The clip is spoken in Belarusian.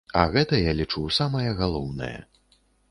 А гэта, я лічу, самае галоўнае.